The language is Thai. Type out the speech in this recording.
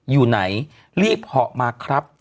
อยู่ไหนรีบเหาะมาครับ